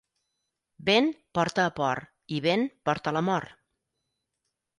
Vent porta a port i vent porta a la mort.